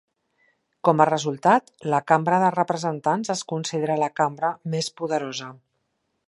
Com a resultat, la Cambra de representants es considera la cambra més poderosa.